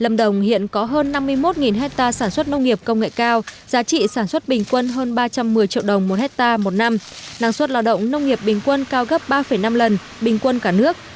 lâm đồng hiện có hơn năm mươi một hectare sản xuất nông nghiệp công nghệ cao giá trị sản xuất bình quân hơn ba trăm một mươi triệu đồng một hectare một năm năng suất lao động nông nghiệp bình quân cao gấp ba năm lần bình quân cả nước